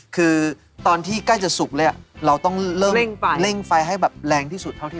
คือตอนที่ใกล้จะสุกเลยเราต้องเริ่มเร่งไฟให้แบบแรงที่สุดเท่าที่